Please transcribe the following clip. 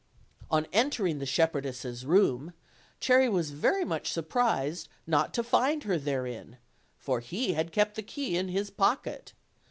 On entering the shepherdess' room, Cherry was very much surprised not to find her therein, for he had kept the key in his pocket.